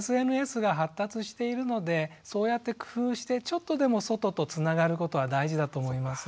ＳＮＳが発達しているのでそうやって工夫してちょっとでも外とつながることは大事だと思います。